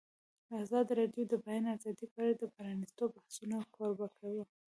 ازادي راډیو د د بیان آزادي په اړه د پرانیستو بحثونو کوربه وه.